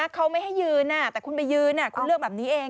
เขาไม่ให้ยืนแต่คุณไปยืนคุณเลือกแบบนี้เอง